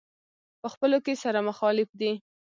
په خپلو کې سره مخالف دي.